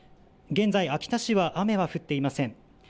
現在、秋田市は雨は降っていません。